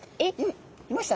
いました？